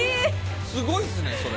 すごいっすねそれ。